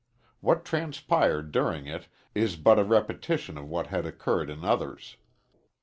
What transpired during it is but a repetition of what had occurred in others.